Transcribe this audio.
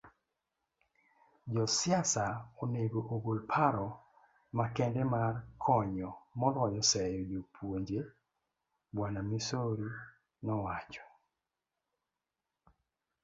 Jo siasa onego ogol paro makende mar konyo moloyo seyo jopuonje, Bw. Misori nowacho.